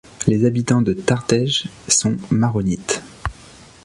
Les habitants de Tartej sont maronites.